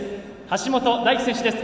橋本大輝選手です。